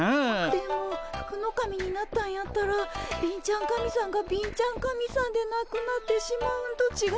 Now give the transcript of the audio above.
でも福の神になったんやったら貧ちゃん神さんが貧ちゃん神さんでなくなってしまうんとちがいますか？